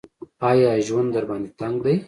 ایا ژوند درباندې تنګ دی ؟